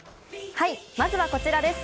まずはこちらです。